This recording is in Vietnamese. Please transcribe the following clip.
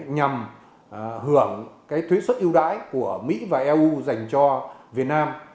nhằm hưởng thuế xuất ưu đãi của mỹ và eu dành cho việt nam